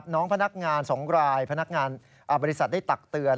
พนักงาน๒รายพนักงานบริษัทได้ตักเตือน